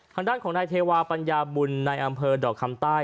ทางด้านของนายเทวาปัญญาบุญในอำเภอดอกคำใต้